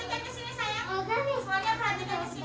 selain perhatikan kesini